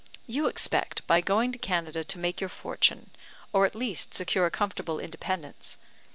You expect, by going to Canada, to make your fortune, or at least secure a comfortable independence.